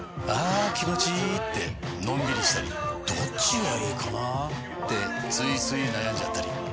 あ気持ちいいってのんびりしたりどっちがいいかなってついつい悩んじゃったり。